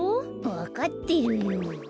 わかってるよ。